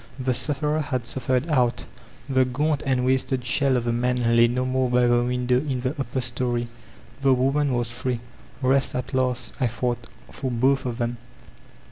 The sufferer had ''suffered ouf*; the gaunt and wasted shell of the man lay no more by the window in the upper story. The woman was free. 'Kest at last,*' I thought, ''for both of them.